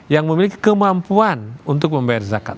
yang memiliki kemampuan untuk membayar zakat